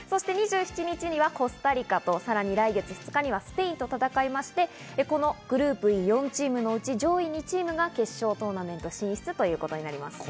２７日にはコスタリカとさらに来月２日にはスペインと戦いまして、グループＥの４チームのうち、上位２チームが決勝トーナメント進出になります。